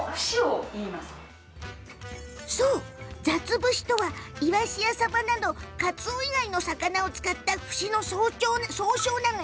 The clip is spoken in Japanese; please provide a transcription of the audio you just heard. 雑節とは、イワシや、サバなどカツオ以外の魚を使った節の総称。